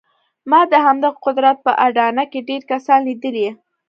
ما د همدغه قدرت په اډانه کې ډېر کسان ليدلي.